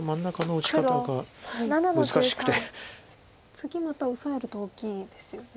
次またオサえると大きいですよね。